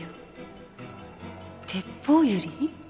テッポウユリ？